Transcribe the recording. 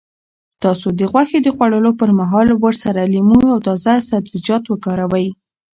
تاسو د غوښې د خوړلو پر مهال ورسره لیمو او تازه سبزیجات وکاروئ.